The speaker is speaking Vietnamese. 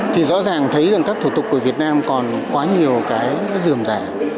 thì rõ ràng thấy rằng các thủ tục của việt nam còn quá nhiều cái dườm rẻ